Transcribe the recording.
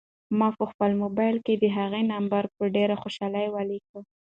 ما په خپل موبایل کې د هغې نمبر په ډېرې خوشحالۍ ولیکه.